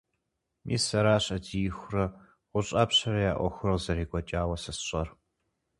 Мис аращ Ӏэдиихурэ ГъущӀ Ӏэпщэрэ я Ӏуэхур къызэрекӀуэкӀауэ сэ сщӀэр.